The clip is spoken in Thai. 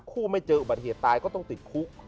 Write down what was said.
ไม่เจออุบัติเหตุตายก็ต้องติดคุก